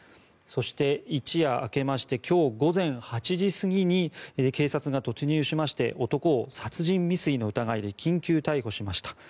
そして、一夜明けまして今日午前８時過ぎに警察が突入しまして男を殺人未遂の疑いで緊急逮捕しました。